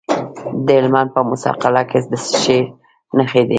د هلمند په موسی قلعه کې د څه شي نښې دي؟